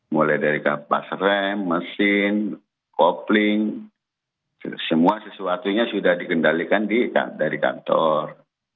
mulai dari kapas rem mesin kopling semua sesuatunya sudah dikendalikan dari kantor